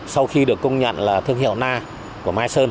sau khi được công nhận là thương hiệu na của mai sơn